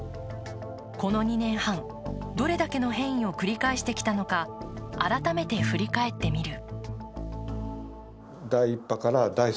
この２年半、どれだけの変異を繰り返してきたのか改めて振り返ってみる。